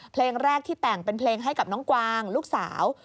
เพลงแรกที่แต่งเป็นเพลงให้กับน้องกวางลูกสาว